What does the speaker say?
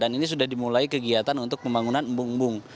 dan ini sudah dimulai kegiatan untuk pembangunan embung embung